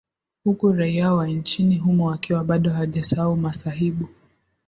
huku raia wa nchini humo wakiwa bado hawajasahau masahibu